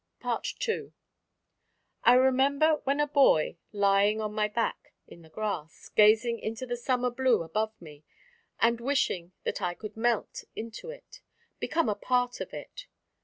II I remember when a boy lying on my back in the grass, gazing into the summer blue above me, and wishing that I could melt into it, become a part of it.